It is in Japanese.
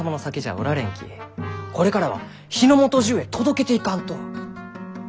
これからは日の本じゅうへ届けていかんと。